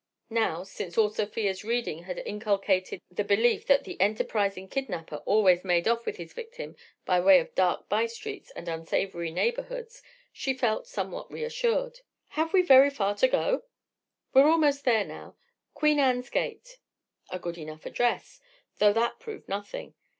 Now, since all Sofia's reading had inculcated the belief that the enterprising kidnapper always made off with his victim by way of dark bystreets and unsavoury neighbourhoods, she felt somewhat reassured. "Have we very far to go?" "We're almost there now—Queen Anne's Gate." A good enough address. Though that proved nothing.